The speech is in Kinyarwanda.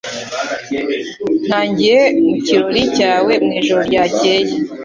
ntagiye mu kirori cyawe mwijoro ryakeye